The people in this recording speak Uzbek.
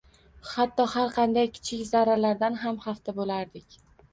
Hatto, har qanday kichik zararlardan ham xavfda bo`lardik